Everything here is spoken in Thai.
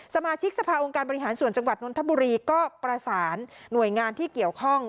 สมาชิกสภาองค์การบริหารส่วนจังหวัดนนทบุรีก็ประสานหน่วยงานที่เกี่ยวข้อง